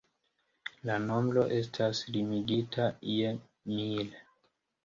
La nombro estas limigita je mil.